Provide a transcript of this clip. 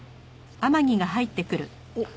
おっ！